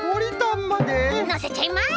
のせちゃいます！